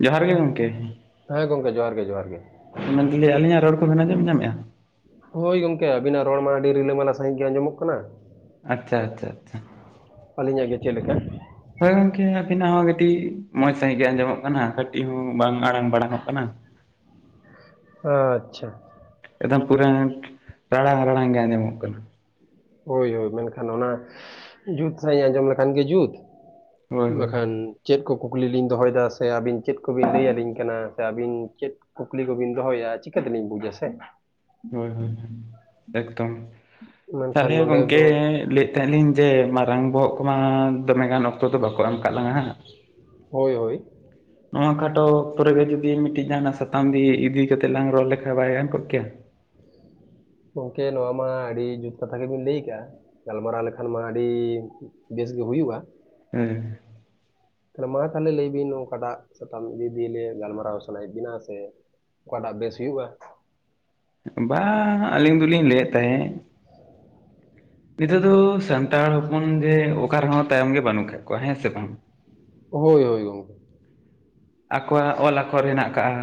ᱡᱚᱸᱦᱟᱨ ᱜᱮ ᱜᱚᱢᱠᱮ᱾ ᱦᱮᱸ ᱜᱚᱝᱠᱮ ᱡᱚᱸᱦᱟᱨ ᱜᱮ ᱡᱚᱸᱦᱟᱨ ᱜᱮ᱾ ᱢᱮᱱᱫᱟᱞᱤᱧ ᱟᱞᱤᱧᱟᱜ ᱨᱚᱲ ᱠᱚᱵᱮᱱ ᱟᱡᱚᱢ ᱧᱟᱢᱮᱜᱼᱟ? ᱦᱳᱭ ᱜᱚᱢᱠᱮ ᱟᱵᱤᱱᱟᱜ ᱨᱚᱲ ᱢᱟ ᱟᱹᱰᱤ ᱨᱤᱞᱟᱹᱢᱟᱞᱟ ᱥᱟᱺᱦᱤᱡ ᱜᱮ ᱟᱸᱡᱚᱢᱚᱜ ᱠᱟᱱᱟ᱾ ᱟᱪᱪᱷᱟ ᱟᱪᱪᱷᱟ ᱟᱪᱪᱷᱟ᱾ ᱟᱹᱞᱤᱧᱟᱜ ᱜᱮ ᱪᱮᱫ ᱞᱮᱠᱟ? ᱦᱳᱭ ᱜᱚᱝᱠᱮ ᱟᱵᱤᱱᱟᱜ ᱦᱚᱸ ᱠᱟᱹᱴᱤᱡ ᱢᱚᱸᱡᱽ ᱥᱟᱺᱦᱤᱜ ᱜᱮ ᱟᱸᱡᱚᱢᱚᱜ ᱠᱟᱱᱟ᱾ ᱠᱟᱹᱴᱤᱡ ᱦᱚᱸ ᱵᱟᱝ ᱟᱲᱟᱝ ᱵᱟᱲᱟᱝ ᱚᱜ ᱠᱟᱱᱟ᱾ ᱟᱪᱪᱷᱟ᱾ ᱮᱠᱫᱚᱢ ᱯᱩᱨᱟᱹᱴ ᱨᱟᱲᱟᱝ ᱨᱟᱲᱟᱝ ᱜᱮ ᱟᱸᱡᱚᱢᱚᱜ ᱠᱟᱱᱟ᱾ ᱦᱳᱭ ᱦᱳᱭ ᱢᱮᱱᱠᱷᱟᱱ ᱚᱱᱟ ᱡᱩᱛ ᱥᱟᱺᱦᱤᱡ ᱟᱸᱡᱚᱢ ᱞᱮᱠᱷᱟᱱ ᱜᱮ ᱡᱩᱛ᱾ ᱦᱳᱭ ᱦᱳᱭ ᱵᱟᱠᱷᱟᱱ ᱪᱮᱜ ᱠᱚ ᱠᱩᱠᱞᱤ ᱞᱤᱧ ᱫᱚᱦᱚᱭᱮᱫᱟ ᱥᱮ ᱟᱹᱵᱤᱱ ᱪᱮᱫ ᱠᱚᱵᱤᱱ ᱞᱟᱹᱭ ᱟᱹᱞᱤᱧ ᱠᱟᱱᱟ ᱥᱮ ᱟᱹᱵᱤᱱ ᱪᱮᱫ ᱠᱩᱠᱞᱤ ᱠᱚᱵᱤᱱ ᱫᱚᱦᱚᱭᱮᱜᱼᱟ ᱪᱤᱠᱟᱹ ᱛᱤᱞᱤᱧ ᱵᱩᱡᱟ ᱥᱮ᱾ ᱦᱳᱭ ᱦᱳᱭ ᱦᱳᱭ ᱾ ᱮᱠᱫᱚᱢ ᱢᱮᱱᱠᱷᱟᱱ ᱛᱟᱞᱦᱮ ᱱᱚᱰᱮ ᱜᱚᱝᱠᱮ ᱫᱚ ᱞᱟᱹᱭ ᱛᱮᱦᱮᱞᱤᱧ ᱡᱮ ᱢᱟᱨᱟᱝ ᱵᱚᱦᱚᱜ ᱠᱚᱢᱟ ᱫᱚᱢᱮ ᱜᱟᱱ ᱚᱠᱛᱚ ᱫᱚ ᱵᱟᱠᱚ ᱮᱢ ᱠᱟᱜ ᱞᱟᱝᱟ ᱦᱟᱸᱜ᱾ ᱦᱳᱭ ᱦᱳᱭ᱾ ᱱᱚᱣᱟ ᱠᱷᱟᱴᱚ ᱚᱠᱛᱚ ᱨᱮᱜᱮ ᱡᱩᱫᱤ ᱢᱤᱫᱴᱤᱡ ᱡᱟᱦᱟᱱᱟᱜ ᱥᱟᱛᱟᱢ ᱫᱤᱭᱤ ᱤᱫᱤ ᱠᱟᱛᱮᱜ ᱞᱟᱝ ᱨᱚᱜ ᱞᱮᱠᱷᱟᱡ ᱵᱟᱭ ᱜᱟᱱ ᱠᱚᱜ ᱠᱮᱭᱟ᱾ ᱜᱚᱝᱠᱮ ᱱᱚᱣᱟ ᱢᱟ ᱟᱹᱰᱤ ᱡᱩᱛ ᱠᱟᱛᱷᱟ ᱜᱮᱵᱤᱱ ᱞᱟᱹᱭ ᱟᱠᱟᱜᱼᱟ᱾ ᱜᱟᱞᱢᱟᱨᱟᱣ ᱞᱮᱠᱷᱟᱱ ᱢᱟ ᱟᱹᱰᱤ ᱵᱮᱥ ᱜᱮ ᱦᱩᱭᱩᱜ-ᱟ᱾ ᱦᱮᱸ᱾ ᱛᱟᱞᱦᱮ ᱢᱟ ᱛᱟᱞᱦᱮ ᱞᱟᱹᱭ ᱵᱤᱱ ᱚᱠᱟᱴᱟᱜ ᱥᱟᱛᱟᱢ ᱤᱫᱤ ᱞᱤᱭᱮ ᱜᱟᱞᱢᱟᱨᱟᱣ ᱥᱟᱱᱟᱭᱮᱜ ᱵᱤᱱᱟ ᱥᱮ ᱚᱠᱟᱴᱟᱜ ᱵᱮᱥ ᱦᱩᱭᱩᱜᱼᱟ᱾ ᱵᱟᱝᱟ ᱟᱹᱞᱤᱧ ᱫᱩᱞᱤᱧ ᱞᱟᱹᱭᱮᱜ ᱛᱟᱦᱮᱸᱜ ᱱᱤᱛᱚᱜ ᱫᱚ ᱥᱟᱱᱛᱟᱲ ᱦᱚᱯᱚᱱ ᱡᱮ ᱚᱠᱟ ᱨᱮᱦᱚᱸ ᱛᱟᱭᱚᱢ ᱜᱮ ᱵᱟᱹᱱᱩᱜ ᱟᱠᱟᱜ ᱠᱚᱣᱟ ᱦᱮᱸ ᱥᱮ ᱵᱟᱝ? ᱦᱳᱭ ᱦᱳᱭ ᱜᱚᱝᱠᱮ᱾ ᱟᱠᱚᱣᱟᱜ ᱚᱞ ᱟᱠᱷᱚᱨ ᱦᱮᱱᱟᱜ ᱟᱠᱟᱜᱼᱟ᱾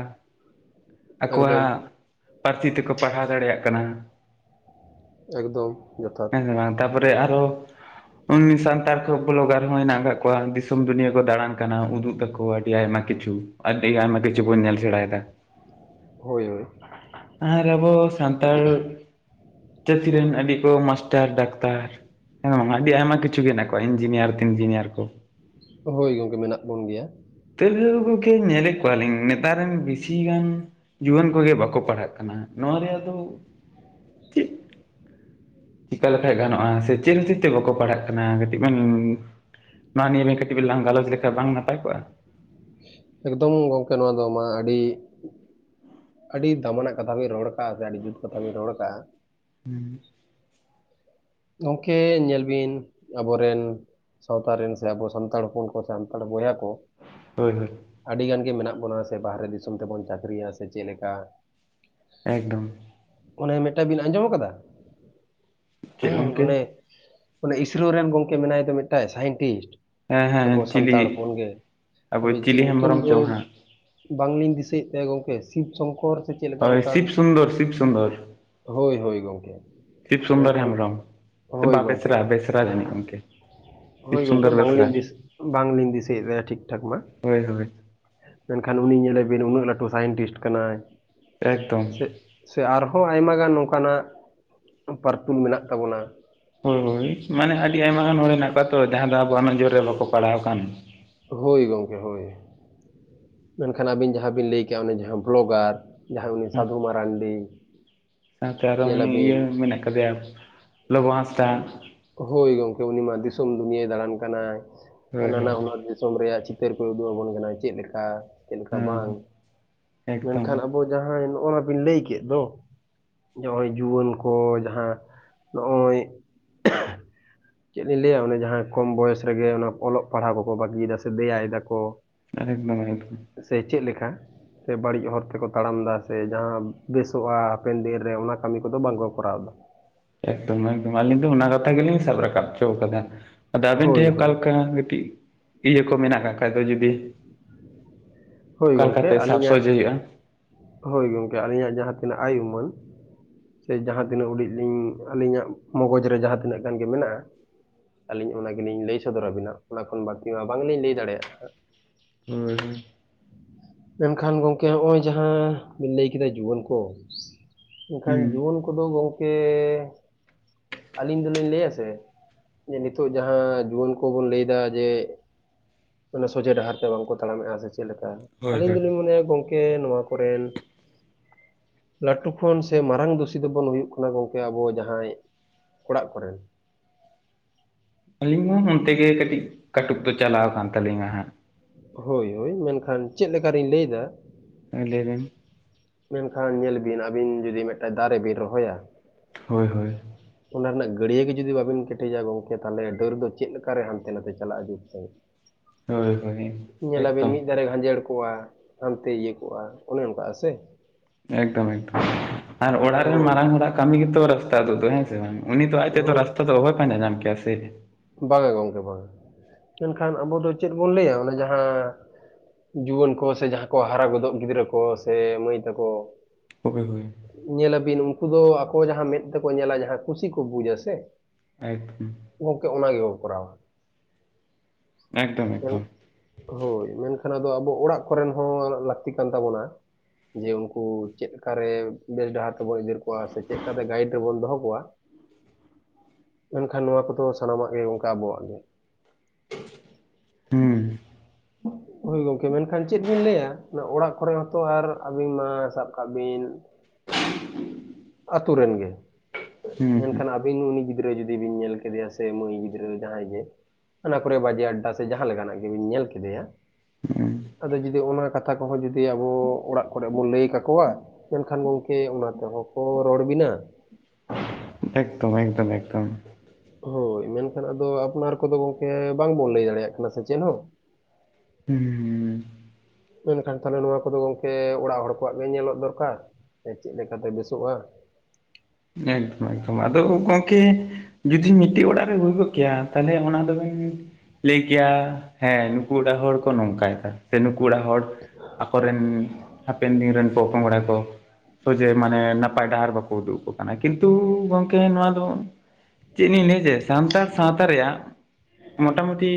ᱟᱠᱚᱣᱟᱜ ᱮᱠᱫᱚᱢ ᱯᱟᱹᱨᱥᱤ ᱛᱮᱠᱚ ᱯᱟᱲᱦᱟᱣ ᱫᱟᱲᱮᱭᱟᱜ ᱠᱟᱱᱟ᱾ ᱮᱠᱫᱚᱢ ᱡᱚᱛᱷᱟᱛ᱾ ᱛᱟᱯᱚᱨᱮ ᱟᱨᱦᱚ ᱩᱱᱱᱤ ᱥᱟᱱᱛᱟᱲ ᱠᱚ ᱵᱞᱳᱜᱟᱨ ᱦᱚᱸ ᱦᱮᱱᱟᱜ ᱟᱠᱟᱜ ᱠᱚᱣᱟ᱾ ᱫᱤᱥᱚᱢ ᱫᱩᱱᱭᱟᱹᱣ ᱠᱚ ᱫᱟᱬᱟᱱ ᱠᱟᱱᱟ ᱩᱫᱩᱜ ᱫᱟᱠᱚ ᱟᱹᱰᱤ ᱟᱭᱢᱟ ᱠᱤᱪᱷᱩ ᱟᱹᱰᱤ ᱟᱭᱢᱟ ᱠᱤᱪᱷᱩ ᱵᱚᱱ ᱧᱮᱞ ᱥᱮᱲᱟᱭᱮᱫᱟ᱾ ᱦᱳᱭ ᱦᱳᱭ᱾ ᱟᱨ ᱟᱵᱳ ᱥᱟᱱᱛᱟᱲ ᱡᱟᱹᱛᱤ ᱨᱮᱱ ᱟᱹᱰᱤ ᱠᱚ ᱢᱟᱥᱴᱟᱨ ᱰᱟᱠᱛᱟᱨ᱾ [unintelligible] ᱟᱹᱰᱤ ᱟᱭᱢᱟ ᱠᱤᱪᱷᱩ ᱜᱮ ᱦᱮᱱᱟᱜ ᱠᱚᱣᱟ ᱤᱧᱡᱤᱱᱤᱭᱟᱨ ᱯᱷᱤᱧᱡᱤᱱᱤᱭᱟᱨ ᱠᱚ᱾ ᱦᱳᱭ ᱜᱚᱝᱠᱮ ᱢᱮᱱᱟᱜ ᱵᱚᱱ ᱜᱮᱭᱟ᱾ ᱛᱟᱹᱣ ᱨᱮᱦᱚ ᱜᱚᱝᱠᱮ ᱧᱮᱞᱮᱜ ᱠᱚᱣᱟᱞᱤᱧ ᱱᱮᱛᱟᱨ ᱨᱮᱱ ᱵᱮᱥᱤ ᱜᱟᱱ ᱡᱩᱣᱟᱹᱱ ᱠᱚᱜᱮ ᱵᱟᱠᱚ ᱯᱟᱲᱦᱟᱜ ᱠᱟᱱᱟ᱾ ᱱᱚᱣᱟ ᱨᱮᱭᱟᱜ ᱫᱚ [inaudible] ᱪᱤᱠᱟᱞᱮᱠᱷᱟᱡ ᱜᱟᱱᱚᱜ-ᱟ, ᱥᱮ ᱪᱮᱫ ᱠᱷᱟᱹᱛᱤᱨ ᱛᱮ ᱵᱟᱠᱚ ᱯᱟᱲᱦᱟᱜ ᱠᱟᱱᱟ ᱠᱟᱹᱴᱤᱡ ᱵᱮᱱ ᱱᱚᱣᱟ ᱱᱤᱭᱟᱹ ᱜᱮ ᱠᱟᱹᱴᱤᱡ ᱵᱮᱱ ᱞᱟᱝ ᱜᱟᱞᱚᱪ ᱞᱮᱠᱷᱟᱡ ᱵᱟᱝ ᱱᱟᱯᱟᱭ ᱠᱚᱜ-ᱟ? ᱮᱠᱫᱚᱢ ᱜᱚᱝᱠᱮ, ᱱᱚᱣᱟ ᱫᱚ ᱢᱟ ᱟᱹᱰᱤ ᱟᱹᱰᱤ ᱫᱟᱢᱟᱱᱟᱜ ᱠᱟᱛᱷᱟ ᱵᱮᱱ ᱨᱚᱲ ᱠᱟᱜ-ᱟ ᱡᱮ ᱟᱹᱰᱤᱡᱩᱛ ᱠᱟᱛᱷᱟ ᱵᱮᱱ ᱨᱚᱲ ᱟᱠᱟᱜ-ᱟ᱾ [unintelligible] ᱜᱚᱝᱠᱮ, ᱧᱮᱞ ᱵᱤᱱ ᱟᱵᱚᱨᱮᱱ ᱥᱟᱶᱛᱟ ᱨᱮᱱ ᱥᱮ ᱟᱵᱚ ᱥᱟᱱᱛᱟᱲ ᱦᱚᱯᱚᱱ ᱠᱚ ᱥᱮ ᱥᱟᱱᱛᱟᱲ ᱵᱚᱭᱦᱟ ᱠᱚ ᱦᱳᱭ ᱦᱳᱭ᱾ ᱟᱹᱰᱤᱜᱟᱱ ᱜᱮ ᱢᱮᱱᱟᱜ ᱵᱚᱱᱟ ᱥᱮ ᱵᱟᱦᱨᱮ ᱫᱤᱥᱚᱢ ᱛᱮᱵᱚᱱ ᱪᱟᱠᱷᱨᱤᱭᱟ ᱥᱮ ᱪᱮᱜ ᱞᱮᱠᱟ᱾ ᱮᱠᱫᱚᱢ᱾ ᱚᱱᱮ ᱢᱤᱜᱴᱟᱝ ᱵᱤᱱ ᱟᱸᱡᱚᱢ ᱟᱠᱟᱫᱟ? ᱪᱮᱫ [unintelligible] ᱜᱚᱝᱠᱮ ᱚᱱᱮ ᱚᱱᱮ ᱤᱥᱨᱳ ᱨᱮᱱ ᱜᱚᱝᱠᱮ ᱢᱮᱱᱟᱭ ᱫᱚ ᱢᱤᱜᱴᱟᱡ ᱥᱟᱭᱮᱱᱴᱤ᱾ ᱦᱮᱸ ᱟᱵᱚ ᱦᱮᱸ ᱪᱤᱞᱤ ᱥᱟᱱᱛᱟᱲ ᱦᱚᱯᱚᱱ ᱜᱮ ᱟᱵᱚ ᱦᱟᱯᱮ ᱪᱤᱜ ᱪᱤᱞᱤ ᱧᱩᱛᱩᱢ ᱦᱮᱢᱵᱨᱚᱢ ᱫᱚ᱾ ᱪᱚᱝ ᱦᱟᱸᱜ ᱵᱟᱝᱞᱤᱧ ᱫᱤᱥᱟᱹᱭᱮᱫ ᱛᱟᱭᱟᱸ ᱜᱚᱝᱠᱮ ᱥᱤᱵ ᱥᱚᱝᱠᱚᱨ ᱥᱮ ᱪᱮᱫ ᱞᱮᱠᱟ ᱦᱳᱭ, ᱚᱱᱠᱟᱱ ᱥᱤᱵ ᱥᱩᱱᱫᱚᱨ ᱥᱤᱵ ᱥᱩᱱᱫᱚᱨ᱾ ᱦᱳᱭ ᱦᱳᱭ ᱜᱚᱝᱠᱮ, ᱥᱤᱵ ᱥᱩᱱᱫᱚᱨ ᱢᱮᱱᱠᱷᱟᱱ ᱦᱮᱢᱵᱨᱚᱢ ᱦᱳᱭ ᱵᱟ ᱜᱚᱝᱠᱮ ᱵᱮᱥᱨᱟ ᱵᱮᱥᱨᱟ ᱡᱟᱹᱱᱤᱡ ᱜᱚᱝᱠᱮ᱾ ᱥᱤᱵ ᱦᱳᱭ ᱜᱚᱝᱠᱮ ᱥᱩᱱᱫᱚᱨ ᱵᱮᱥᱨᱟ ᱵᱟᱝᱞᱤᱧ ᱫᱤᱥ ᱵᱟᱝᱞᱤᱧ ᱫᱤᱥᱟᱹᱭᱮᱫ ᱛᱟᱭᱟ ᱴᱷᱤᱠ ᱴᱷᱟᱠ ᱢᱟ᱾ ᱦᱳᱭ ᱦᱳᱭ ᱢᱮᱱᱠᱷᱟᱱ ᱩᱱᱤ ᱧᱮᱞᱮ ᱵᱤᱱ ᱩᱱᱟᱹᱜ ᱞᱟᱹᱴᱩ ᱥᱟᱭᱮᱱᱴᱤᱥᱴ ᱠᱟᱱᱟᱭ, ᱮᱠᱫᱚᱢ ᱥᱮ ᱥᱮ ᱟᱨᱦᱚᱸ ᱟᱭᱢᱟ ᱜᱟᱱ ᱱᱚᱝᱠᱟᱱᱟᱜ ᱯᱟᱨᱛᱩᱞ ᱢᱮᱱᱟᱜ ᱛᱟᱵᱚᱱᱟ᱾ ᱦᱳᱭ ᱦᱳᱭ ᱢᱟᱱᱮ ᱟᱹᱰᱤ ᱟᱭᱢᱟ ᱜᱟᱱ ᱦᱚᱲ ᱦᱮᱱᱟᱜ ᱠᱚᱣᱟ ᱛᱚ ᱡᱟᱦᱟᱸ ᱡᱟᱦᱟᱸ ᱫᱚ ᱟᱵᱚᱣᱟᱜ ᱱᱚᱡᱚᱨ ᱨᱮ ᱵᱟᱠᱚ ᱯᱟᱲᱦᱟᱣ ᱟᱠᱟᱱ᱾ ᱦᱳᱭ ᱜᱚᱢᱠᱮ ᱦᱳᱭ ᱢᱮᱱᱠᱷᱟᱱ ᱟᱹᱵᱤᱱ ᱡᱟᱦᱟᱸ ᱵᱤᱱ ᱞᱟᱹᱭ ᱠᱮᱜ-ᱟ ᱩᱱᱤ ᱡᱟᱦᱟᱸ ᱵᱷᱞᱚᱜᱟᱨ᱾ ᱡᱟᱦᱟᱸᱭ ᱩᱱᱤ ᱦᱮᱸ ᱥᱟᱫᱷᱩ ᱢᱟᱨᱟᱱᱰᱤ᱾ ᱥᱟᱶᱛᱮ ᱟᱨᱚ ᱦᱟᱱᱤ ᱤᱭᱟᱹ ᱧᱮᱞᱟᱵᱤᱱ ᱢᱮᱱᱟᱜ ᱟᱠᱟᱫᱮᱭᱟ ᱞᱚᱵᱚ ᱦᱟᱸᱥᱫᱟ᱾ ᱦᱳᱭ ᱜᱚᱝᱠᱮ ᱩᱱᱤ ᱢᱟ ᱫᱤᱥᱚᱢ ᱫᱩᱱᱤᱭᱟᱹᱭ ᱫᱟᱬᱟᱱ ᱠᱟᱱᱟᱭ ᱦᱳᱭ ᱱᱟᱱᱟ ᱦᱳᱭ ᱦᱩᱱᱟᱹᱨ ᱫᱤᱥᱚᱢ ᱨᱮᱭᱟᱜ ᱪᱤᱛᱟᱹᱨ ᱠᱚᱭ ᱩᱫᱩᱜ ᱟᱵᱚᱱ ᱠᱟᱱᱟ, ᱪᱮᱫ ᱞᱮᱠᱟ ᱪᱮᱫ ᱞᱮᱠᱟ ᱵᱟᱝ ᱦᱮᱸ ᱮᱠᱫᱚᱢ ᱢᱮᱱᱠᱷᱟᱱ ᱟᱵᱚ ᱡᱟᱦᱟᱸᱭ ᱱᱚᱜ-ᱚᱱᱟ ᱵᱤᱱ ᱞᱟᱹᱭ ᱠᱮᱫ ᱫᱚ᱾ ᱱᱚᱜ-ᱚᱭ ᱡᱩᱣᱟᱹᱱ ᱠᱚ ᱡᱟᱦᱟᱸ ᱱᱚᱜ-ᱚᱭ ᱪᱮᱱ ᱞᱤᱧ ᱞᱟᱹᱭᱟ ᱚᱱᱮ ᱡᱟᱦᱟᱸ ᱠᱚᱢ ᱵᱚᱭᱮᱥ ᱨᱮᱜᱮ ᱚᱱᱟ ᱚᱞᱚᱜ ᱯᱟᱲᱦᱟᱜ ᱠᱚᱠᱚ ᱵᱟᱹᱜᱤᱭᱮᱫᱟ ᱥᱮ ᱫᱮᱭᱟᱭ ᱫᱟᱠᱚ᱾ ᱮᱠᱫᱚᱢ ᱮᱠᱫᱚᱢ᱾ ᱥᱮ ᱪᱮᱱ ᱞᱮᱠᱟ? ᱥᱮ ᱵᱟᱹᱲᱤᱡ ᱦᱚᱨ ᱛᱮᱠᱚ ᱛᱟᱲᱟᱢ ᱮᱫᱟ ᱥᱮ ᱵᱟᱲᱤᱡ ᱦᱚᱨ ᱛᱮᱠᱚ ᱛᱟᱲᱟᱢ ᱮᱫᱟ ᱥᱮ ᱡᱟᱦᱟᱸ ᱵᱮᱥᱚᱜ-ᱟ ᱦᱟᱯᱮᱱ ᱫᱤᱱ ᱨᱮ ᱚᱱᱟ ᱠᱟᱹᱢᱤ ᱠᱚᱫᱚ ᱵᱟᱝᱠᱚ ᱠᱚᱨᱟᱣ ᱮᱫᱟ᱾ ᱮᱠᱫᱚᱢ ᱮᱠᱫᱚᱢ ᱟᱹᱞᱤᱧ ᱫᱚ ᱚᱱᱟ ᱠᱟᱛᱷᱟ ᱜᱮᱞᱤᱧ ᱥᱟᱵ ᱨᱟᱠᱟᱵ ᱦᱚᱪᱚ ᱠᱟᱫᱟ᱾ ᱟᱫᱚ ᱟᱵᱤᱱ ᱦᱳᱭ ᱴᱷᱮᱱ ᱚᱠᱟ ᱦᱳᱭ ᱞᱮᱠᱟ ᱠᱟᱹᱴᱤᱡ ᱤᱭᱟᱹ ᱠᱚ ᱢᱮᱱᱟᱜ ᱠᱟᱜ ᱠᱷᱟᱡ ᱫᱚ ᱡᱩᱫᱤ᱾ ᱦᱳᱭ ᱚᱠᱟᱞᱮᱠᱟ ᱜᱚᱢᱠᱮ ᱞᱮᱠᱟᱛᱮ ᱥᱟᱵ ᱟᱹᱞᱤᱧᱟᱜ ᱥᱚᱡᱷᱮ ᱦᱩᱭᱩᱜ-ᱟ᱾ ᱦᱳᱭ ᱜᱚᱝᱠᱮ, ᱟᱹᱞᱤᱧᱟᱜ ᱡᱟᱦᱟᱸ ᱛᱤᱱᱟᱹᱜ ᱟᱭ ᱩᱢᱟᱹᱱ᱾ ᱥᱮ ᱡᱟᱦᱟᱸ ᱛᱤᱱᱟᱹᱜ ᱩᱰᱤᱡ ᱞᱤᱧ ᱟᱹᱞᱤᱧᱟᱜ ᱢᱚᱜᱚᱡ ᱨᱮ ᱡᱟᱦᱟᱸ ᱛᱤᱱᱟᱹᱜ ᱜᱟᱱ ᱜᱮ ᱢᱮᱱᱟᱜ-ᱟ᱾ ᱟᱹᱞᱤᱧ ᱚᱱᱟ ᱜᱮᱞᱤᱧ ᱞᱟᱹᱭ ᱥᱚᱫᱚᱨᱟᱵᱤᱱᱟ ᱚᱱᱟ ᱠᱷᱚᱱ ᱵᱟᱹᱠᱤ ᱢᱟ ᱵᱟᱝᱞᱤᱧ ᱞᱟᱹᱭ ᱫᱟᱲᱮᱭᱟᱜ ᱦᱟᱸᱜ᱾ ᱦᱳᱭ ᱦᱳᱭ᱾ ᱢᱮᱱᱠᱷᱟᱱ ᱜᱚᱢᱠᱮ ᱱᱚᱜᱼᱚᱭ ᱡᱟᱦᱟᱸ ᱵᱤᱱ ᱞᱟᱹᱭ ᱠᱮᱫᱟ ᱡᱩᱣᱟᱹᱱ ᱠᱚ ᱢᱮᱱᱠᱷᱟᱱ ᱦᱩᱸ ᱡᱩᱣᱟᱹᱱ ᱠᱚᱼᱼ ᱠᱩᱫᱚ ᱜᱚᱝᱠᱮ ᱟᱹᱞᱤᱧ ᱫᱚᱞᱤᱧ ᱞᱟᱹᱭᱟ ᱥᱮ, ᱡᱮ ᱱᱤᱛᱚᱜ ᱡᱟᱦᱟᱸ ᱡᱩᱣᱟᱹᱱ ᱠᱚᱵᱚᱱ ᱞᱟᱹᱭ ᱮᱫᱟ ᱡᱮ, ᱚᱱᱟ ᱥᱚᱡᱷᱮ ᱰᱟᱦᱟᱨ ᱛᱮ ᱵᱟᱝᱠᱚ ᱛᱟᱲᱟᱢᱮᱫᱼᱟ ᱥᱮ ᱪᱮᱫ ᱞᱮᱠᱟ ᱦᱳᱭ ᱟᱹᱞᱤᱧ ᱦᱳᱭ ᱫᱚᱞᱤᱧ ᱢᱚᱱᱮᱭᱟ ᱜᱚᱝ ᱠᱮ ᱱᱚᱣᱟ ᱠᱚᱨᱮᱱ, ᱞᱟᱹᱴᱩ ᱠᱷᱚᱱ ᱥᱮ ᱢᱟᱨᱟᱝ ᱫᱩᱥᱤ ᱫᱚᱵᱚᱱ ᱦᱩᱭᱩᱜ ᱠᱟᱱᱟ ᱜᱚᱢᱠᱮ ᱟᱵᱚ ᱡᱟᱦᱟᱸᱭ, ᱚᱲᱟᱜ ᱠᱚᱨᱮᱱ᱾ ᱟᱹᱞᱤᱧ ᱦᱚᱸ ᱚᱱᱛᱮ ᱜᱮ ᱠᱟᱹᱴᱤᱡ ᱠᱟᱹᱴᱩᱵ ᱫᱚ ᱪᱟᱞᱟᱣ ᱟᱠᱟᱱ ᱛᱟᱹᱞᱤᱧᱟ ᱦᱟᱸᱜ᱾ ᱦᱳᱭ ᱦᱳᱭ ᱢᱮᱱᱠᱷᱟᱱ ᱪᱮᱫᱠᱟᱨᱤᱧ ᱞᱟᱹᱭᱮᱫᱟ, ᱞᱟᱹᱭᱵᱮᱱ? ᱢᱮᱱᱠᱷᱟᱱ ᱧᱮᱞ ᱵᱤᱱ ᱟᱵᱤᱱ ᱡᱩᱫᱤ ᱢᱤᱫᱴᱟᱝ ᱫᱟᱨᱮ ᱵᱤᱱ ᱨᱚᱦᱚᱭᱟ, ᱦᱳᱭ ᱦᱳᱭ᱾ ᱚᱱᱟ ᱨᱮᱱᱟᱜ ᱜᱟᱹᱲᱭᱟᱹ ᱜᱮ ᱡᱩᱫᱤ ᱵᱟᱵᱤᱱ ᱠᱮᱴᱮᱡᱟ ᱜᱚᱢᱠᱮ ᱛᱟᱦᱚᱞᱮ ᱰᱟᱹᱨ ᱫᱚ ᱪᱮᱫ ᱞᱮᱠᱟᱨᱮ ᱦᱟᱱᱛᱮ ᱱᱟᱛᱮ ᱪᱟᱞᱟᱜᱼᱟ ᱡᱩᱜᱛ ᱥᱟᱺᱦᱤᱡ᱾ ᱦᱳᱭ ᱦᱳᱭ ᱧᱮᱞᱟᱵᱤᱱ ᱮᱠᱫᱚᱢ ᱢᱤᱫ ᱫᱷᱟᱨᱮ ᱜᱷᱟᱸᱡᱮᱲ ᱠᱚᱜᱼᱟ ᱦᱟᱱᱛᱮ ᱤᱭᱟᱹ ᱠᱚᱜᱼᱟ ᱚᱱᱮ ᱚᱱᱠᱟ ᱟ ᱥᱮ᱾ ᱮᱠᱫᱚᱢ ᱮᱠᱫᱚᱢ ᱟᱨ ᱚᱲᱟᱜ ᱨᱮᱱ ᱦᱳᱭ ᱢᱟᱨᱟᱝ ᱦᱚᱲᱟᱜ ᱠᱟᱹᱢᱤ ᱜᱮᱛᱚ ᱨᱟᱥᱼᱼ ᱛᱟ ᱩᱫᱩ ᱫᱚ ᱦᱮᱥᱮ ᱩᱱᱤ ᱫᱚ ᱟᱡᱛᱮᱫᱚ ᱦᱳᱭ ᱨᱟᱥᱛᱟ ᱫᱚ ᱚᱦᱚᱭ ᱯᱟᱸᱡᱟ ᱧᱟᱢ ᱠᱮᱭᱟᱥᱮ᱾ ᱵᱟᱝᱟ ᱜᱚᱢᱠᱮ ᱵᱟᱝᱼᱟ ᱢᱮᱱᱠᱷᱟᱱ ᱟᱵᱚ ᱫᱚ ᱪᱮᱫ ᱵᱚᱱ ᱞᱟᱹᱭᱟ ᱚᱱᱮ ᱡᱟᱦᱟᱸ ᱡᱩᱣᱟᱹᱱ ᱠᱚ ᱥᱮ ᱡᱟᱦᱟᱸ ᱠᱚ ᱦᱟᱨᱟ ᱜᱚᱫᱚᱜ ᱜᱤᱫᱽᱨᱟᱹ ᱠᱚ ᱥᱮ ᱢᱟᱹᱭ ᱛᱟᱠᱚ ᱦᱳᱭ ᱦᱳᱭ, ᱧᱮᱞᱟᱵᱤᱱ ᱩᱱᱠᱩ ᱫᱚ ᱟᱠᱚ ᱡᱟᱦᱟᱸ ᱢᱮᱸᱫ ᱛᱮᱠᱚ ᱧᱮᱞᱟ ᱡᱟᱦᱟᱸ ᱠᱩᱥᱤ ᱠᱚ ᱵᱩᱡᱟ ᱥᱮ᱾ [inaudible] ᱜᱚᱝᱠᱮ ᱚᱱᱟ ᱜᱮᱵᱚᱱ ᱠᱚᱨᱟᱣᱟ᱾ ᱮᱠᱫᱚᱢ ᱢᱮᱱ- ᱮᱠᱫᱚᱢ, ᱦᱳᱭ, ᱢᱮᱱᱠᱷᱟᱱ ᱟᱫᱚ ᱟᱵᱚ ᱚᱲᱟᱜ ᱠᱚᱨᱮᱱ ᱦᱚᱸ ᱞᱟᱹᱠᱛᱤ ᱠᱟᱱ ᱛᱟᱵᱚᱱᱟ᱾ ᱡᱮ ᱩᱱᱠᱩ ᱪᱮᱫᱠᱟᱨᱮ ᱵᱮᱥ ᱰᱟᱦᱟᱨ ᱛᱮᱵᱚᱱ ᱤᱫᱤ ᱠᱚᱣᱟ ᱥᱮ ᱪᱮᱜ ᱠᱟᱛᱮ ᱜᱟᱭᱤᱰ [unintelligible] ᱨᱮᱵᱚᱱ ᱫᱚᱦᱚ ᱠᱚᱣᱟ᱾ ᱢᱮᱱᱠᱷᱟᱱ ᱱᱚᱣᱟ ᱠᱚᱫᱚ ᱥᱟᱱᱟᱢᱟᱜ ᱜᱮ ᱜᱚᱝᱠᱮ ᱟᱵᱚᱣᱟᱜ ᱜᱮ᱾ ᱦᱩᱸ ᱦᱳᱭ ᱜᱚᱝᱠᱮ ᱢᱮᱱᱠᱷᱟᱱ ᱪᱮᱫ ᱵᱤᱱ ᱞᱟᱹᱭᱟ ᱚᱲᱟᱜ ᱠᱚᱨᱮᱜ ᱦᱚᱸᱛᱚ ᱟᱨ ᱟᱹᱵᱤᱱ ᱢᱟ ᱥᱟᱵ ᱠᱟᱜ ᱵᱤᱱ [inaudible] ᱟᱛᱳ ᱨᱮᱱ ᱜᱮ, ᱦᱩᱸ ᱦᱩᱸ ᱢᱮᱱᱠᱷᱟᱱ ᱟᱹᱵᱤᱱ ᱩᱱᱤ ᱜᱤᱫᱽᱨᱟᱹ ᱡᱩᱫᱤ ᱵᱤᱱ ᱧᱮᱞ ᱠᱮᱫᱮᱭᱟ ᱥᱮ, ᱥᱮ ᱢᱟᱹᱭ ᱜᱤᱫᱽᱨᱟᱹ ᱡᱟᱦᱟᱸᱭ ᱜᱮ ᱚᱱᱟ ᱠᱚᱨᱮ ᱵᱟᱡᱮ ᱟᱰᱰᱟ ᱥᱮ ᱡᱟᱦᱟᱸ ᱞᱮᱠᱟᱱᱟᱜ ᱜᱮᱵᱤᱱ ᱧᱮᱞ ᱠᱮᱫᱮᱭᱟ᱾ ᱦᱩᱸ ᱟᱫᱚ ᱡᱩᱫᱤ ᱚᱱᱟ ᱠᱟᱛᱷᱟ ᱠᱚᱦᱚᱸ ᱡᱩᱫᱤ ᱟᱵᱚ ᱚᱲᱟᱜ ᱠᱚᱨᱮᱜ ᱵᱚᱱ ᱞᱮᱭ ᱠᱟᱠᱚᱣᱟ ᱢᱮᱱᱠᱷᱟᱱ ᱜᱚᱝᱠᱮ ᱚᱱᱟ ᱛᱮᱦᱚᱸ ᱠᱚ ᱨᱚᱲ ᱵᱤᱱᱟ᱾ ᱮᱠᱫᱚᱢ ᱮᱠᱫᱚᱢ ᱮᱠᱫᱚᱢ᱾ ᱦᱳᱭ ᱢᱮᱱᱠᱷᱟᱱ ᱟᱫᱚ ᱟᱯᱱᱟᱨ ᱠᱚᱫᱚ ᱜᱚᱝᱠᱮ ᱵᱟᱝᱵᱚᱱ ᱞᱮᱭ ᱫᱟᱲᱮᱭᱟᱜ ᱠᱟᱱᱟ ᱥᱮ ᱪᱮᱫ ᱦᱚᱸ᱾ ᱦᱩᱸ, ᱢᱮᱱᱠᱷᱟᱱ ᱛᱟᱦᱚᱞᱮ ᱱᱚᱣᱟ ᱠᱚᱫᱚ ᱜᱚᱝᱠᱮ ᱚᱲᱟᱜ ᱦᱚᱲ ᱠᱚᱣᱟᱜ ᱜᱮ ᱧᱮᱞᱚᱜ ᱫᱚᱨᱠᱟᱨ ᱪᱮᱜ ᱞᱮᱠᱟᱛᱮ ᱵᱮᱥᱚᱜᱼᱟ᱾ ᱮᱠᱫᱚᱢ ᱮᱠᱫᱚᱢ ᱟᱫᱚ ᱠᱚᱝᱠᱮ᱾ ᱡᱩᱫᱤ ᱢᱤᱫᱴᱤᱡ ᱚᱲᱟᱜ ᱨᱮ ᱦᱩᱭ ᱠᱚᱜ ᱠᱮᱭᱟ ᱛᱟᱦᱚᱞᱮ ᱚᱱᱟ ᱫᱚᱵᱮᱱ ᱞᱮᱭ ᱠᱮᱭᱟ ᱦᱮᱸ ᱱᱩᱠᱩ ᱚᱲᱟᱜ ᱦᱚᱲ ᱠᱚ ᱱᱚᱝᱠᱟᱭᱮᱫᱟ᱾ ᱥᱮ ᱱᱩᱠᱩ ᱚᱲᱟᱜ ᱦᱚᱲ ᱟᱠᱚᱨᱮᱱ ᱦᱟᱯᱮᱱ ᱫᱤᱱ ᱨᱮᱱ ᱯᱚᱼᱯᱚᱝᱲᱟ ᱠᱚ ᱥᱚᱡᱮ ᱢᱟᱱᱮ ᱱᱟᱯᱟᱭ ᱰᱟᱦᱟᱨ ᱵᱟᱠᱚ ᱩᱫᱩᱜ ᱟᱠᱚ ᱠᱟᱱᱟ, ᱠᱤᱱᱛᱩ ᱜᱚᱝᱠᱮ ᱱᱚᱣᱟ ᱫᱚ ᱪᱮᱜ ᱞᱤᱧ ᱞᱮᱭᱟ ᱡᱮ ᱥᱟᱱᱛᱟᱲ ᱥᱟᱶᱛᱟ ᱨᱮᱭᱟᱜ ᱢᱚᱴᱟᱢᱩᱴᱤ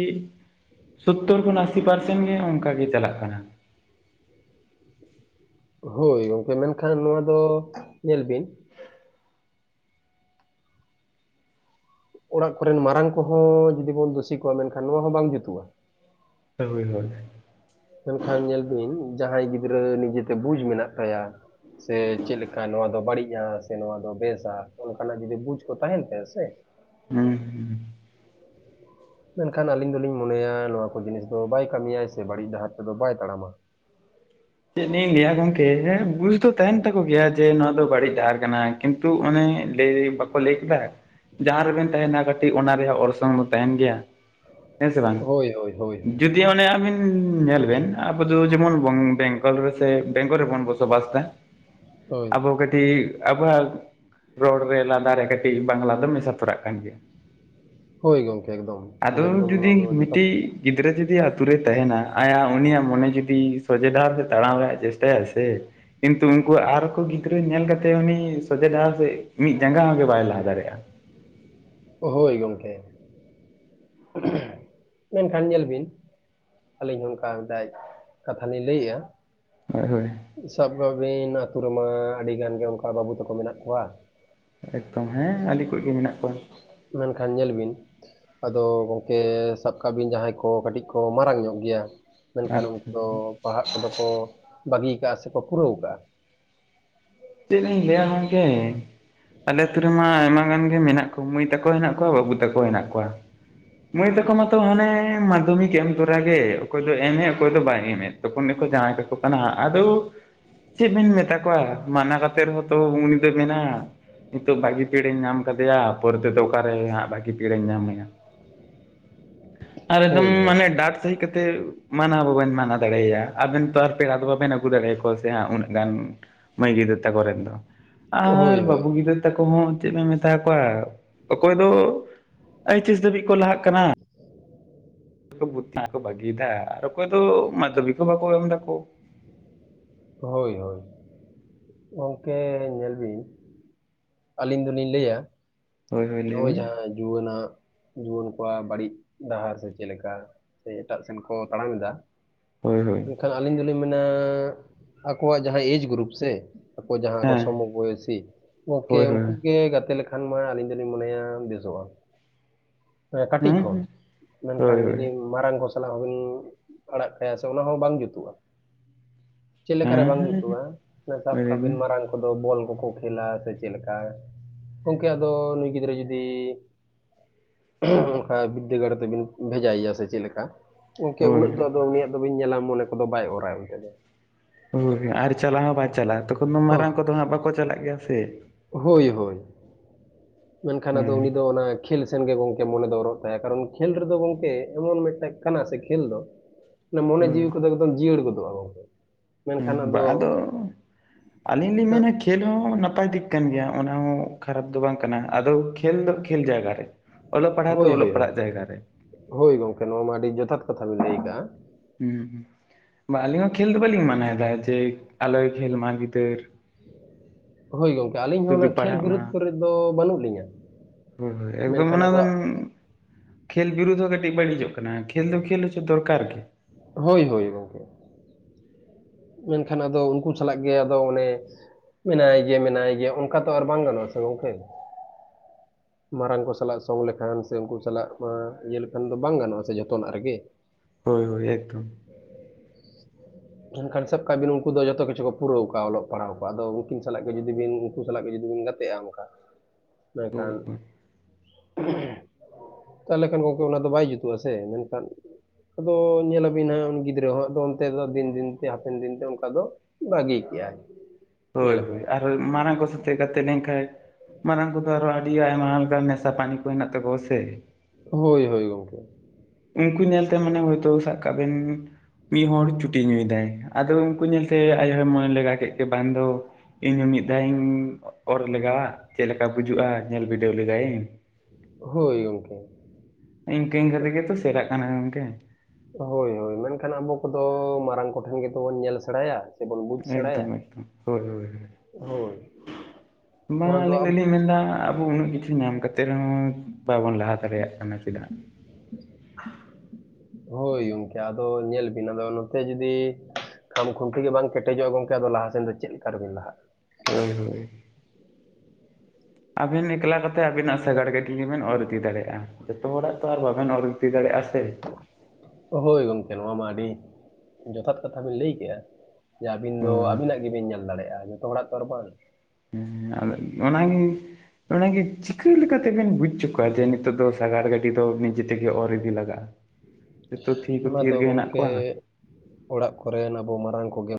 ᱥᱳᱛᱛᱳᱨ [unintelligible] ᱠᱷᱚᱱ ᱟᱥᱤ [unintelligible] ᱯᱟᱨᱥᱮᱱ ᱜᱮ ᱚᱝᱠᱟ ᱜᱮ ᱪᱟᱞᱟᱜ ᱠᱟᱱᱟ᱾ ᱦᱳᱭ ᱜᱚᱝᱠᱮ ᱢᱮᱱᱠᱷᱟᱱ ᱱᱚᱣᱟ ᱫᱚ ᱧᱮᱞ ᱵᱤᱱ ᱚᱲᱟᱜ ᱠᱚᱨᱮᱱ ᱢᱟᱨᱟᱝ ᱠᱚᱦᱚᱸ ᱡᱩᱫᱤ ᱵᱚᱱ ᱫᱳᱥᱤ ᱠᱚᱣᱟ ᱢᱮᱱᱠᱷᱟᱱ ᱱᱚᱣᱟ ᱦᱚᱸ ᱵᱟᱝ ᱡᱩᱛᱩᱜᱼᱟ ᱾ ᱦᱳᱭ, ᱦᱳᱭ ᱾ ᱢᱮᱱᱠᱷᱟᱱ ᱧᱮᱞ ᱵᱤᱱ ᱡᱟᱦᱟᱸᱭ ᱜᱤᱫᱽᱨᱟᱹ ᱱᱤᱡᱮᱛᱮ ᱵᱩᱡ ᱢᱮᱱᱟᱜ ᱛᱟᱭᱟ, ᱥᱮ ᱪᱮᱜᱞᱮᱠᱟ ᱱᱚᱣᱟ ᱫᱚ ᱵᱟᱹᱲᱤᱡᱼᱟ ᱥᱮ ᱱᱚᱣᱟ ᱫᱚ ᱵᱮᱥᱟ ᱚᱝᱠᱟᱱᱟᱜ ᱡᱩᱫᱤ ᱵᱩᱡᱽ ᱠᱚ ᱛᱟᱦᱮᱱ ᱛᱟᱭᱟ ᱥᱮ ᱾ ᱦᱩᱸ ᱾ ᱢᱮᱱᱠᱷᱟᱱ ᱟᱹᱞᱤᱧ ᱫᱚᱞᱤᱧ ᱢᱚᱱᱮᱭᱟ ᱱᱚᱣᱟ ᱠᱚ ᱡᱤᱱᱤᱥ ᱫᱚ ᱵᱟᱭ ᱠᱟᱹᱢᱤᱭᱟᱭ ᱥᱮ ᱵᱟᱹᱲᱤᱡ ᱰᱟᱦᱟᱨ ᱛᱮᱫᱚ ᱵᱟᱭ ᱛᱟᱲᱟᱢᱟ᱾ ᱪᱮᱫ ᱞᱤᱧ ᱞᱮᱭᱟ ᱜᱚᱝᱠᱮ, ᱦᱮᱸ ᱵᱩᱥ ᱫᱚ ᱛᱟᱦᱮᱱ ᱛᱟᱠᱚ ᱜᱮᱭᱟ ᱡᱮ ᱱᱚᱣᱟ ᱫᱚ ᱵᱟᱹᱲᱤᱡ ᱰᱟᱦᱟᱨ ᱠᱟᱱᱟ ᱾ ᱠᱤᱱᱛᱩ ᱚᱱᱮ ᱞᱮᱭ ᱵᱟᱠᱚ ᱞᱮᱭ ᱠᱮᱫᱟ, ᱡᱟᱦᱟᱸ ᱨᱮᱵᱮᱱ ᱛᱟᱦᱮᱱᱟ ᱠᱟᱹᱴᱤᱡ ᱚᱱᱟ ᱨᱮᱭᱟᱜ ᱚᱨᱥᱚᱝ ᱫᱚ ᱛᱟᱦᱮᱱ ᱜᱮᱭᱟ᱾ ᱦᱮᱸ ᱥᱮ ᱵᱟᱝ! ᱦᱳᱭ, ᱦᱳᱭ, ᱦᱳᱭ, ᱡᱩᱫ ᱫᱤ ᱚᱱᱮ ᱟᱵᱤᱱ ᱧᱮᱞ ᱵᱮᱱ ᱟᱵᱚ ᱫᱚ ᱡᱮᱢᱚᱱ ᱵᱚᱝ ᱵᱮᱝ ᱜᱚᱞ ᱨᱮᱥᱮ ᱵᱮᱝᱜᱚᱞ ᱨᱮᱵᱚᱱ ᱵᱚᱥᱚᱵᱟᱥ ᱫᱟ, ᱦᱳᱭ, ᱟᱵᱚ ᱠᱟᱹᱴᱤᱜ ᱟᱵᱚᱣᱟᱜ ᱨᱚᱲ ᱨᱮ ᱞᱟᱸᱫᱟᱨᱮ ᱠᱟᱹᱴᱤᱡ ᱵᱟᱝᱞᱟ ᱫᱚ ᱢᱮᱥᱟ ᱛᱚᱨᱟᱜ ᱠᱟᱱ ᱜᱮᱭᱟ ᱦᱳᱭ ᱜᱚᱝᱠᱮ ᱮᱠᱫᱚᱢ, ᱾ ᱟᱫᱚ ᱡᱮ ᱮᱠᱫᱚᱢ ᱡᱩᱫᱤ ᱱᱚᱣᱟ ᱫᱚ ᱡᱚᱛᱷᱟᱛ ᱢᱤᱜᱴᱤᱡ ᱜᱤᱫᱽᱨᱟᱹ ᱡᱩᱫᱤ ᱟᱛᱩᱨᱮᱭ ᱛᱟᱦᱮᱱᱟ ᱟᱭᱟᱜ ᱩᱱᱤᱭᱟᱜ ᱢᱚᱱᱮ ᱡᱩᱫᱤ ᱥᱚᱡᱷᱮ ᱰᱟᱦᱟᱨ ᱥᱮᱫ ᱛᱟᱬᱟᱢ ᱨᱮᱭᱟᱜᱼᱮ ᱪᱮᱥᱴᱟᱭᱟᱥᱮ ᱾ ᱠᱤᱱᱛᱩ ᱩᱝᱠᱩ ᱟᱨ ᱠᱚ ᱜᱤᱫᱽᱨᱟᱹ ᱧᱮᱞ ᱠᱟᱛᱮᱜ ᱩᱱᱤ ᱥᱚᱡᱮ ᱰᱟᱦᱟᱨ ᱥᱮᱜ ᱢᱤᱫ ᱡᱟᱸᱜᱟ ᱦᱚᱸ ᱜᱮ ᱵᱟᱭ ᱞᱟᱦᱟ ᱫᱟᱲᱮᱭᱟᱜᱼᱟ ᱾ ᱦᱳᱭ ᱜᱚᱝᱠᱮ ᱾ ᱢᱮᱱᱠᱷᱟᱱ ᱧᱮᱞ ᱵᱤᱱ ᱟᱹᱞᱤᱧ ᱦᱚᱸ ᱚᱱᱠᱟ ᱫᱟᱭᱤᱛ ᱠᱟᱛᱷᱟ ᱞᱤᱧ ᱞᱟᱹᱭᱮᱜᱼᱟ ᱾ ᱦᱳᱭ ᱦᱳᱭ ᱾ ᱥᱟᱵ ᱠᱟᱜ ᱵᱤᱱ ᱟᱛᱩ ᱨᱮᱢᱟ ᱟᱹᱰᱤ ᱜᱟᱱ ᱜᱮ ᱚᱝᱠᱟ ᱵᱟᱹᱵᱩ ᱛᱟᱠᱚ ᱢᱮᱱᱟᱜ ᱠᱚᱣᱟ ᱮᱠᱫᱚᱢ ᱦᱮᱸ ᱟᱹᱞᱤ ᱠᱚᱡ ᱜᱮ ᱢᱮᱱᱟᱜ ᱠᱚᱣᱟ ᱾ ᱢᱮᱱᱠᱷᱟᱱ ᱧᱮᱞ ᱵᱤᱱ ᱟᱫᱚ ᱜᱚᱝᱠᱮ ᱥᱟᱵ ᱠᱟᱜ ᱵᱤᱱ ᱡᱟᱦᱟᱸᱭ ᱠᱚ ᱠᱟᱹᱴᱤᱡ ᱠᱚ ᱢᱟᱨᱟᱝ ᱧᱚᱜ ᱜᱮᱭᱟ, ᱢᱮᱱᱠᱷᱟᱱ ᱩᱝᱠᱩ ᱟᱪᱪᱷᱟ ᱫᱚ ᱯᱟᱲᱦᱟᱜ ᱠᱚᱫᱚ ᱠᱚ ᱵᱟᱹᱜᱤ ᱠᱟᱜᱼᱟ ᱥᱮᱠᱚ ᱯᱩᱨᱟᱹᱣ ᱠᱟᱜᱼᱟ ᱾ ᱛᱮᱜᱼᱤᱧ ᱞᱮᱭᱟ ᱜᱚᱝᱠᱮ! ᱟᱞᱮ ᱟᱛᱩ ᱨᱮᱢᱟ ᱟᱭᱢᱟ ᱜᱟᱱ ᱜᱮ ᱢᱮᱱᱟᱜ ᱠᱚᱣᱟ ᱢᱟᱹᱭ ᱛᱟᱠᱚ ᱦᱮᱱᱟᱜ ᱠᱚᱣᱟ, ᱵᱟᱹᱵᱩ ᱛᱟᱠᱚ ᱦᱮᱱᱟᱜ ᱠᱚᱣᱟ ᱾ ᱢᱟᱹᱭ ᱛᱟᱠᱚ ᱢᱟᱛᱚ ᱦᱚᱱᱮ ᱢᱟᱫᱽᱫᱷᱚᱢᱤᱠ ᱮᱢ ᱛᱚᱨᱟᱜᱮ ᱚᱠᱚᱭ ᱫᱚᱭ ᱮᱢᱮᱜ ᱚᱠᱚᱭ ᱫᱚ ᱵᱟᱭ ᱮᱢᱮᱫ ᱾ ᱛᱚᱠᱷᱚᱱ ᱜᱮᱠᱚ ᱡᱟᱶᱟᱭ ᱠᱟᱠᱚ ᱠᱟᱱᱟ, ᱟᱫᱚ ᱪᱮᱫ ᱵᱤᱱ ᱢᱮᱛᱟ ᱠᱚᱣᱟ ᱢᱟᱱᱟ ᱠᱟᱛᱮᱫ ᱨᱮᱦᱚᱸ ᱛᱚ ᱩᱱᱤ ᱫᱚᱭ ᱢᱮᱱᱟ ᱱᱤᱛᱚᱜ ᱵᱷᱟᱹᱜᱮ ᱯᱤᱲᱟᱹᱧ ᱧᱟᱢ ᱟᱠᱟᱫᱮᱭᱟ, ᱯᱚᱨᱮ ᱛᱮᱫᱚ ᱚᱠᱟ ᱨᱮ ᱦᱟᱸᱜ ᱵᱷᱟᱹᱜᱤ ᱯᱤᱲᱟᱹᱧ ᱧᱟᱢᱮᱭᱟ? ᱟᱨ ᱮᱠᱫᱚᱢ ᱦᱳᱭ, ᱦᱳᱭ, ᱢᱟᱱᱮ ᱰᱟᱴ ᱥᱟᱦᱤᱛ ᱠᱟᱛᱮ ᱢᱟᱱᱟᱣ ᱦᱚᱸ ᱵᱟᱵᱮᱱ ᱢᱟᱱᱟᱣ ᱫᱟᱲᱮᱭᱟ, ᱟᱵᱮᱱ ᱛᱚ ᱟᱨ ᱯᱮᱲᱟ ᱫᱚ ᱵᱟᱵᱮᱱ ᱟᱹᱜᱩ ᱫᱟᱲᱮ ᱟᱠᱚᱣᱟ ᱥᱮ ᱦᱟᱸᱜ ᱩᱱᱟᱹᱜ ᱜᱟᱱ ᱢᱟᱹᱭ ᱜᱤᱫᱟᱹᱨ ᱛᱟᱠᱚ ᱨᱮᱱ ᱫᱚ, ᱟᱨ ᱦᱳᱭ, ᱦᱳᱭ, ᱵᱟᱹᱵᱩ ᱜᱤᱫᱟᱹᱨ ᱛᱟᱠᱚ ᱦᱚᱸ ᱪᱮᱫ ᱵᱮᱱ ᱢᱮᱛᱟ ᱠᱚᱣᱟ ᱚᱠᱚᱭ ᱫᱚ ᱟᱭᱮᱪᱮᱥ ᱫᱷᱟᱹᱵᱤᱡ ᱠᱚ ᱞᱟᱦᱟᱜ ᱠᱟᱱᱟ ᱾ [inaudible] ᱠᱚ ᱵᱟᱹᱜᱤᱭ ᱮᱫᱟ ᱟᱨ ᱚᱠᱚᱭ ᱫᱚ ᱢᱟᱫᱽᱫᱷᱚᱢᱤᱠ ᱦᱚᱸ ᱵᱟᱠᱚ ᱮᱢ ᱫᱟᱠᱚ ᱾ ᱦᱳᱭ ᱦᱳᱭ, ᱜᱚᱝᱠᱮ ᱧᱮᱞ ᱵᱤᱱ ᱟᱹᱞᱤᱧ ᱫᱚᱞᱤᱧ ᱞᱟᱹᱭᱟ ᱦᱳᱭ ᱦᱳᱭ ᱞᱟᱹᱭ ᱱᱚᱜᱼᱚᱭ ᱵᱮᱱ ᱡᱟᱦᱟᱸ ᱡᱩᱣᱟᱹᱱᱟᱜ ᱡᱩᱣᱟᱹᱱ ᱠᱚᱣᱟᱜ ᱵᱟᱹᱲᱤᱡ ᱰᱟᱦᱟᱨ ᱥᱮ ᱪᱮᱫ ᱞᱮᱠᱟ ᱥᱮ ᱮᱴᱟᱜ ᱥᱮᱱ ᱠᱚ ᱛᱟᱲᱟᱢ ᱮᱫᱟ ᱾ ᱦᱳᱭ, ᱦᱳᱭ ᱾ ᱢᱮᱱᱠᱷᱟᱱ ᱟᱹᱞᱤᱧ ᱫᱚᱞᱤᱧ ᱢᱮᱱᱟ ᱟᱠᱚᱣᱟᱜ ᱡᱟᱦᱟᱸ ᱮᱡᱽ ᱜᱨᱩᱯ ᱥᱮ ᱟᱠᱚ ᱡᱟᱦᱟᱸ ᱟᱠᱚ ᱦᱮᱸ ᱥᱚᱢᱚᱵ ᱵᱚᱭᱮᱥᱤ ᱜᱚᱝᱠᱮ ᱦᱳᱭ ᱦᱳᱭ ᱩᱱᱠᱩ ᱦᱮᱸ ᱜᱮ ᱜᱟᱛᱮ ᱞᱮᱠᱷᱟᱱ ᱢᱟ ᱟᱹᱞᱤᱧ ᱡᱮ ᱞᱤᱧ ᱢᱚᱱᱮᱭᱟ ᱵᱮᱥᱚᱜᱼᱟ ᱾ ᱠᱟᱹᱴᱤᱡ ᱠᱷᱚᱱ ᱦᱮᱸ ᱾ ᱢᱮᱱᱠᱷᱟᱱ ᱦᱳᱭ ᱦᱳᱭ ᱡᱩᱫᱤᱢ ᱢᱟᱨᱟᱝ ᱠᱚ ᱥᱟᱞᱟᱜ ᱦᱚᱸᱵᱤᱱ ᱟᱲᱟᱜ ᱠᱟᱭᱟ ᱥᱮ ᱚᱱᱟ ᱦᱚᱸ ᱵᱟᱝ ᱡᱩᱛᱩᱜᱼᱟ ᱾ ᱪᱮᱫ ᱞᱮᱠᱟᱨᱮ ᱦᱮᱸ ᱵᱟᱝ ᱦᱮᱸ ᱡᱩᱛᱩᱜᱼᱟ ᱥᱟᱵ ᱞᱟᱹᱭ ᱠᱟᱜ ᱵᱤᱱ ᱵᱮᱱ ᱢᱟᱨᱟᱝ ᱠᱩ ᱠᱚᱫᱚ ᱵᱚᱞ ᱠᱚᱠᱚ ᱠᱷᱮᱞᱟ ᱥᱮ ᱪᱮᱫ ᱞᱮᱠᱟ ᱜᱚᱢᱠᱮ ᱟᱫᱚ ᱱᱩᱭ ᱜᱤᱫᱽᱨᱟᱹ ᱡᱩᱫᱤ ᱚᱱᱠᱟᱱ ᱵᱤᱫᱽᱫᱟᱹᱜᱟᱲ ᱛᱮᱵᱤᱱ ᱵᱷᱮᱡᱟᱭ ᱭᱟ ᱥᱮ ᱪᱮᱫ ᱞᱮᱠᱟ ᱜᱚᱢᱠᱮ ᱩᱱᱟᱹᱜ ᱫᱚ ᱦᱳᱭ ᱟᱫᱚ ᱩᱱᱤᱭᱟᱜ ᱟᱫᱚ ᱵᱮᱱ ᱧᱮᱞᱟ ᱢᱚᱱᱮ ᱠᱚᱫᱚ ᱵᱟᱭ ᱚᱨᱟᱭ ᱚᱱᱛᱮ ᱫᱚ ᱾ ᱦᱳᱭ ᱟᱨ ᱪᱟᱞᱟᱣ ᱦᱚᱸ ᱵᱟᱭ ᱪᱟᱞᱟᱜᱼᱟ ᱛᱚᱠᱷᱚᱱ ᱚᱦ ᱢᱟᱨᱟᱝ ᱠᱚᱫᱚ ᱦᱟᱸᱜ ᱵᱟᱠᱚ ᱪᱟᱞᱟᱜ ᱜᱮᱭᱟ ᱥᱮ ᱾ ᱦᱳᱭ ᱦᱳᱭ ᱾ ᱢᱮᱱᱠᱷᱟᱱ ᱟᱫᱚ ᱦᱮᱸ ᱩᱱᱤ ᱫᱚ ᱚᱱᱟ ᱠᱷᱮᱞ ᱥᱮᱱ ᱜᱮ ᱜᱚᱝᱠᱮ ᱢᱚᱱᱮ ᱫᱚ ᱚᱨᱚᱜ ᱛᱟᱭᱟ ᱾ ᱠᱟᱨᱚᱱ ᱠᱷᱮᱞ ᱨᱮᱫᱚ ᱜᱚᱝᱠᱮ ᱮᱢᱚᱱ ᱢᱤᱫᱴᱮᱱ ᱠᱟᱱᱟ ᱥᱮ ᱠᱷᱮᱞ ᱫᱚ ᱢᱚᱱᱮ ᱦᱳᱭ ᱡᱤᱣᱤ ᱠᱚᱫᱚ ᱮᱠᱫᱚᱢ ᱡᱤᱭᱟᱹᱲ ᱜᱚᱫᱚᱜᱼᱟ ᱾ ᱦᱮᱸ ᱵᱟ ᱟᱫᱚ ᱟᱹᱞᱤᱧ ᱞᱤᱧ ᱢᱮᱱᱟ ᱠᱷᱮᱞ ᱦᱚᱸ ᱱᱟᱯᱟᱭ ᱫᱤᱠ ᱠᱟᱱ ᱜᱮᱭᱟ ᱚᱱᱟ ᱦᱚᱸ ᱠᱷᱟᱨᱟᱯ ᱫᱚ ᱵᱟᱝ ᱠᱟᱱᱟ ᱟᱫᱚ ᱠᱷᱮᱞ ᱫᱚ ᱠᱷᱮᱞ ᱡᱟᱭᱜᱟ ᱨᱮ ᱾ ᱚᱞᱚᱜ ᱯᱟᱲᱦᱟᱜ ᱫᱚ ᱦᱳᱭ ᱚᱞᱚᱜ ᱦᱳᱭ ᱯᱟᱲᱦᱟᱜ ᱦᱳᱭ ᱡᱟᱭᱜᱟ ᱨᱮ ᱾ ᱦᱳᱭ ᱜᱚᱢᱠᱮ ᱱᱚᱣᱟ ᱢᱟ ᱟᱹᱰᱤ ᱡᱚᱛᱷᱟᱛ ᱠᱟᱛᱷᱟ ᱵᱤᱱ ᱞᱟᱹᱭ ᱟᱠᱟᱜᱼᱟ ᱾ ᱦᱩ ᱵᱟ ᱟᱹᱞᱤᱧ ᱦᱚᱸ ᱠᱷᱮᱞ ᱫᱚ ᱵᱟᱹᱞᱤᱧ ᱢᱟᱱᱟᱭ ᱮᱫᱟ ᱡᱮ ᱟᱞᱚᱭ ᱠᱷᱮᱞ ᱢᱟ ᱜᱤᱫᱟᱹᱨ ᱦᱳᱭ ᱜᱚᱢᱠᱮ ᱟᱹᱞᱤᱧ ᱦᱚᱸ ᱥᱩᱫᱷᱩ ᱚᱱᱟ ᱠᱷᱮᱞ ᱯᱟᱲᱦᱟᱜ ᱢᱟ ᱵᱤᱨᱩᱫᱽ ᱠᱚᱨᱮ ᱫᱚ ᱵᱟᱹᱱᱩᱜ ᱞᱤᱧᱟᱹ ᱾ ᱦᱳᱭ ᱮᱠᱫᱚᱢ ᱚᱱᱟ ᱫᱚᱢ ᱠᱷᱮᱞ ᱵᱤᱨᱩᱫᱽ ᱦᱚᱸ ᱠᱟᱹᱴᱤᱡ ᱵᱟᱹᱲᱤᱡᱚᱜ ᱠᱟᱱᱟ ᱠᱷᱮᱞ ᱫᱚ ᱠᱷᱮᱞ ᱦᱚᱪᱚ ᱫᱚᱨᱠᱟᱨ ᱜᱮ ᱾ ᱦᱳ ᱦᱳᱭ ᱾ ᱢᱮᱱᱠᱷᱟᱱ ᱟᱫᱚ ᱩᱱᱠᱩ ᱥᱟᱞᱟᱜ ᱜᱮ ᱟᱫᱚ ᱚᱱᱮ ᱢᱮᱱᱟᱭ ᱜᱮᱭᱟ ᱢᱮᱱᱟᱭ ᱜᱮᱭᱟ ᱚᱱᱠᱟ ᱛᱚ ᱟᱨ ᱵᱟᱝ ᱜᱟᱱᱚᱜ ᱟ ᱥᱮ ᱜᱚᱢᱠᱮ ᱾ ᱢᱟᱨᱟᱝ ᱠᱚ ᱥᱟᱞᱟᱜ ᱥᱚᱝ ᱞᱮᱠᱷᱟᱱ ᱥᱮ ᱩᱱᱠᱩ ᱥᱟᱞᱟᱜ ᱢᱟ ᱤᱭᱟᱹ ᱞᱮᱠᱷᱟᱱ ᱫᱚ ᱵᱟᱝ ᱜᱟᱱᱚᱜᱼᱟ ᱥᱮ ᱡᱚᱛᱚᱱᱟᱜ ᱨᱮᱜᱮ ᱾ ᱦᱳᱭ ᱦᱳᱭ ᱮᱠᱫᱚᱢ ᱾ ᱮᱠᱷᱟᱱ ᱥᱟᱵ ᱠᱟᱜ ᱵᱤᱱ ᱩᱱᱠᱩ ᱫᱚ ᱡᱚᱛᱚ ᱠᱤᱪᱷᱩ ᱠᱚ ᱯᱩᱨᱟᱹᱣ ᱟᱠᱟᱣ ᱱᱟ ᱚᱞᱚᱜ ᱯᱟᱲᱦᱟᱣ ᱠᱚ ᱾ ᱟᱫᱚ ᱩᱱᱠᱤᱱ ᱥᱟᱞᱟᱜ ᱡᱩᱫᱤ ᱵᱤᱱ ᱩᱱᱠᱩ ᱥᱟᱞᱟᱜ ᱜᱮ ᱡᱩᱫᱤ ᱵᱤᱱ ᱜᱟᱛᱮ ᱜᱟᱛᱮ ᱟᱜ ᱚᱱᱠᱟ ᱢᱮᱱᱠᱷᱟᱱ ᱦᱳᱭ ᱛᱟᱦᱚᱞᱮ ᱠᱷᱟᱱ ᱜᱚᱢᱠᱮ ᱚᱱᱟ ᱫᱚ ᱵᱟᱭ ᱡᱩᱛᱩᱜᱼᱟ ᱥᱮ ᱢᱮᱱᱠᱷᱟᱱ ᱟᱫᱚ ᱧᱮᱞ ᱟᱵᱤᱱ ᱦᱟᱸᱜ ᱩᱱᱤ ᱜᱤᱫᱽᱨᱟᱹ ᱦᱚᱸ ᱟᱫᱚ ᱚᱱᱛᱮ ᱫᱚ ᱫᱤᱱ ᱫᱤᱱ ᱦᱟᱯᱮᱱ ᱫᱤᱱᱛᱮ ᱚᱱᱠᱟ ᱫᱚ ᱵᱟᱹᱜᱤ ᱠᱮ ᱟᱭ ᱦᱳᱭ ᱦᱳᱭ ᱟᱨ ᱢᱟᱨᱟᱝ ᱠᱚ ᱥᱟᱛᱮ ᱜᱟᱛᱮ ᱞᱮᱱᱠᱷᱟᱡ ᱢᱟᱨᱟᱝ ᱠᱚᱫᱚ ᱟᱨᱚᱸ ᱟᱹᱰᱤ ᱟᱭᱢᱟ ᱞᱮᱠᱟᱱ ᱱᱮᱥᱟ ᱯᱟᱱᱤ ᱠᱚ ᱢᱮᱱᱟᱜ ᱛᱟᱠᱚᱣᱟ ᱥᱮ ᱾ ᱦᱳᱭ ᱦᱳᱭ ᱜᱚᱢᱠᱮ ᱾ ᱩᱱᱠᱩ ᱧᱮᱞᱛᱮ ᱢᱟᱱᱮ ᱦᱚᱭᱛᱳ ᱥᱟᱵ ᱠᱟᱜ ᱵᱮᱱ ᱢᱤᱫ ᱦᱚᱲ ᱪᱷᱩᱴᱤ ᱧᱩᱭᱫᱟᱭ ᱟᱫᱚ ᱩᱱᱠᱩ ᱧᱮᱞᱛᱮ ᱟᱡ ᱦᱚᱭ ᱢᱚᱱᱮ ᱞᱮᱜᱟ ᱠᱮᱫ ᱜᱮ ᱵᱟᱝ ᱫᱚ ᱤᱧᱦᱚ ᱢᱤᱫ ᱫᱷᱟᱣ ᱤᱧ ᱚᱨ ᱞᱮᱜᱟᱶᱟᱜ ᱪᱮᱫ ᱞᱮᱠᱟ ᱵᱩᱡᱩᱜᱼᱟ ᱧᱮᱞ ᱵᱤᱰᱟᱹᱣ ᱞᱮᱜᱟᱭ ᱤᱧ ᱾ ᱦᱳᱭ ᱜᱚᱢᱠᱮ᱾ ᱤᱱᱠᱟᱹ ᱤᱱᱠᱟᱹ ᱛᱮᱜᱮ ᱛᱚ ᱥᱮᱲᱟᱜ ᱠᱟᱱᱟ ᱜᱚᱝᱠᱮ᱾ ᱦᱳᱭ ᱦᱳᱭ ᱢᱮᱱᱠᱷᱟᱱ ᱟᱵᱚ ᱠᱚᱫᱚ ᱢᱟᱨᱟᱝ ᱠᱚᱴᱷᱮᱱ ᱜᱮᱛᱚ ᱵᱚᱱ ᱧᱮᱞ ᱥᱮᱬᱟᱭᱟ ᱥᱮᱵᱚᱱ ᱵᱩᱡ ᱥᱮᱬᱟᱭᱟ ᱮᱫᱚᱢ ᱮᱫᱚᱢ ᱦᱳᱭ ᱦᱳᱭ᱾ ᱦᱳᱭ ᱵᱟᱝ ᱱᱚᱣᱟ ᱫᱚ ᱟᱹᱞᱤᱧ ᱟᱵ ᱫᱚᱞᱤᱧ ᱢᱮᱱᱫᱟ ᱟᱵᱚ ᱩᱱᱟᱹᱜ ᱠᱤᱪᱷᱩ ᱧᱟᱢ ᱠᱟᱛᱮᱜ ᱨᱮᱦᱚᱸ ᱵᱟᱵᱚᱱ ᱞᱟᱦᱟ ᱫᱟᱲᱮᱭᱟᱜ ᱠᱟᱱᱟ ᱪᱮᱫᱟᱜ? ᱦᱳᱭ ᱜᱚᱝᱠᱮ ᱟᱫᱚ ᱧᱮᱞ ᱵᱤᱱ ᱟᱫᱚ ᱱᱚᱛᱮ ᱡᱩᱫᱤ ᱠᱷᱟᱢ ᱠᱷᱩᱱᱴᱤ ᱜᱮ ᱵᱟᱝ ᱠᱮᱴᱮᱡᱚᱜ-ᱟ ᱜᱚᱢᱠᱮ ᱟᱫᱚ ᱞᱟᱦᱟ ᱥᱮᱫ ᱫᱚ ᱪᱮᱫ ᱞᱮᱠᱟ ᱨᱮᱵᱤᱱ ᱞᱟᱦᱟᱜᱼᱟ? ᱦᱳᱭ ᱦᱳᱭ ᱾ ᱟᱵᱤᱱ ᱮᱠᱞᱟ ᱠᱟᱛᱮ ᱟᱵᱤᱱᱟᱜ ᱥᱟᱜᱟᱲ ᱜᱟᱹᱰᱤ ᱜᱮᱵᱮᱱ ᱚᱨ ᱤᱫᱤ ᱫᱟᱲᱮᱭᱟᱜᱼᱟ ᱡᱚᱛᱚ ᱦᱚᱲᱟᱜ ᱛᱚ ᱟᱨ ᱵᱟᱵᱮᱱ ᱚᱨ ᱤᱫᱤ ᱫᱟᱲᱮ ᱟ‌‌ᱥᱮ? ᱦᱳᱭ ᱜᱚᱝᱠᱮ ᱱᱚᱣᱟ ᱢᱟ ᱟᱹᱰᱤ ᱡᱚᱛᱷᱟᱛ ᱠᱟᱛᱷᱟ ᱵᱤᱱ ᱞᱟᱹᱭ ᱠᱮᱫᱼᱟ᱾ ᱡᱮ ᱟᱹᱵᱤᱱ ᱫᱚ ᱦᱳᱭ ᱟᱹᱵᱤᱱᱟᱜ ᱜᱮ ᱵᱤᱱ ᱧᱮᱞ ᱫᱟᱲᱮᱭᱟᱜᱼᱟ ᱡᱚᱛᱚ ᱦᱚᱲᱟᱜ ᱛᱚ ᱟᱨ ᱵᱟᱝ᱾ ᱦᱮᱸ ᱟᱫᱚ ᱚᱱᱟᱜᱮ᱾ ᱚᱱᱟᱜᱮ ᱪᱤᱠᱟᱹ ᱞᱮᱠᱟ ᱛᱮᱵᱮᱱ ᱵᱩᱡ ᱚᱪᱚ ᱠᱚᱣᱟ ᱡᱮ ᱱᱤᱛᱚᱜ ᱫᱚ ᱥᱟᱜᱟᱲ ᱜᱟᱹᱰᱤ ᱫᱚ ᱱᱤᱡᱮ ᱛᱮᱜᱮ ᱚᱨ ᱤᱫᱤ ᱞᱟᱜᱟᱜᱼᱟ᱾ ᱡᱚᱛᱚ ᱛᱷᱤᱨ ᱠᱚ ᱱᱚᱣᱟ ᱛᱷᱤᱨ ᱫᱚ ᱜᱮ ᱦᱮᱱᱟᱜ ᱜᱚᱝᱠᱮ ᱠᱚᱣᱟ ᱚᱲᱟᱜ ᱠᱚᱨᱮᱱ ᱟᱵᱚ ᱢᱟᱨᱟᱝ ᱠᱚᱜᱮ᱾